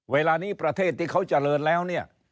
เวลานี้ประเทศที่เขาเจริญแล้วเนี่ย